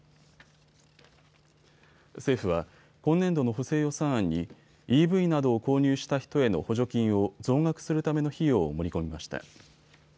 政府は今年度の補正予算案にＥＶなどを購入した人への補助金を増額するための費用を盛り込みました。